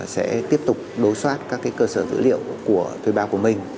sẽ tiếp tục đối soát các cơ sở dữ liệu của thuê bao của mình